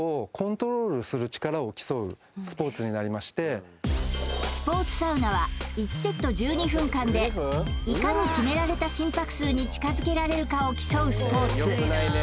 こちらがスポーツサウナは１セット１２分間でいかに決められた心拍数に近づけられるかを競うスポーツ